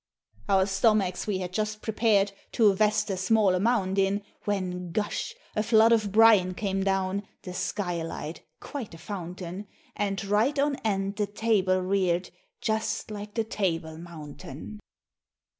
Our stomachs we had just prepared To vest a small amount in; When, gush! a flood of brine came down The skylight quite a fountain, And right on end the table rear'd Just like the Table Mountain.